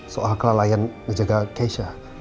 soal kelalaian ngejaga keisha